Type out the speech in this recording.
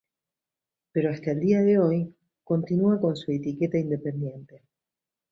Pero hasta el día de hoy, continúa con su etiqueta independiente.